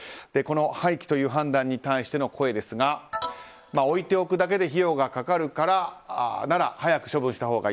廃棄という判断に対しての声ですが置いておくだけで費用がかかるなら早く処分したほうがいい。